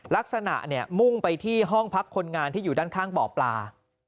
ลักษณะเนี่ยมุ่งไปที่ห้องพักคนงานที่อยู่ด้านข้างบ่อปลา